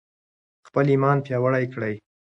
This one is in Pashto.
خپل ایمان پیاوړی کړئ.